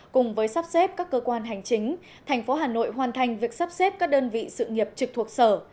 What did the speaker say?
cùng với sắp xếp các cơ quan hành chính thành phố hà nội hoàn thành việc sắp xếp các đơn vị sự nghiệp trực thuộc sở